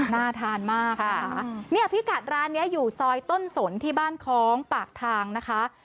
น่าทานมากค่ะเนี่ยพิกัดร้านนี้อยู่ซอยต้นสนที่บ้านคล้องปากทางนะคะ